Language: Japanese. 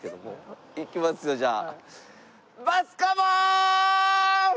いきますよじゃあ。